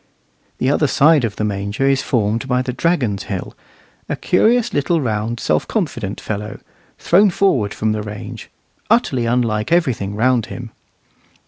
The other side of the Manger is formed by the Dragon's Hill, a curious little round self confident fellow, thrown forward from the range, utterly unlike everything round him.